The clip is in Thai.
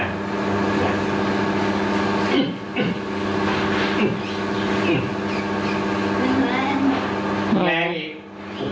ขอคอมเมิตนะ